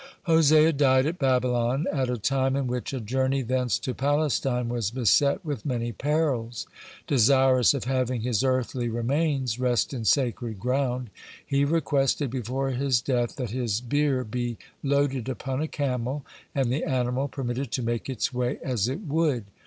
(23) Hosea died at Babylon at a time in which a journey thence to Palestine was beset with many perils. Desirous of having his earthly remains rest in sacred ground, he requested before his death that his bier be loaded upon a camel, and the animal permitted to make its way as it would.